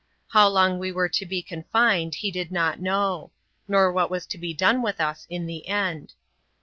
How long we were to be confined, he did not knov ; nor what was to be done with us in the end.